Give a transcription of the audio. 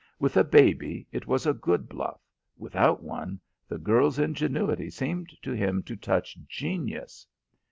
With a baby it was a good bluff; without one, the girl's ingenuity seemed to him to touch genius.